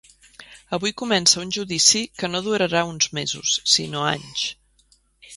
Avui comença un judici que no durarà uns mesos, sinó anys.